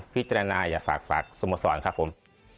พี่จริงอย่าฝากสมสรรค่ะผม